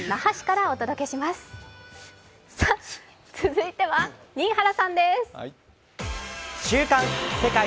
続いては新原さんです。